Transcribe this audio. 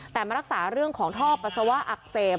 แต่มารักษาเรื่องของท่อปัสสาวะอักเสบ